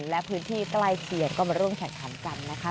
และพื้นที่ใกล้เคียงก็มาร่วมแข่งขันกันนะคะ